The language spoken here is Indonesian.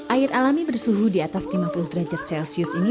air alami bersuhu di atas lima puluh derajat celcius ini